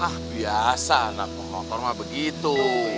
ah biasa nabung motor mah begitu